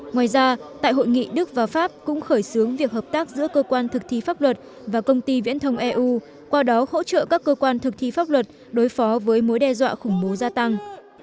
ngoài ra tại hội nghị đức và pháp cũng khởi xướng việc hợp tác giữa cơ quan thực thi pháp luật và công ty viễn thông eu qua đó hỗ trợ các cơ quan thực thi pháp luật đối phó với mối đe dọa khủng bố gia tăng